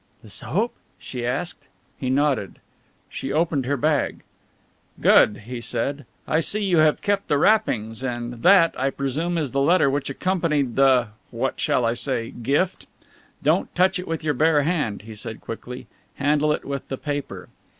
"The soap?" she asked. He nodded. She opened her bag. "Good," he said. "I see you have kept the wrappings, and that, I presume, is the letter which accompanied the what shall I say gift? Don't touch it with your bare hand," he said quickly. "Handle it with the paper."